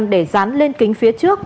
để dán lên kính phía trước